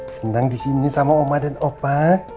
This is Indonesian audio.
senang disini sama oma dan oma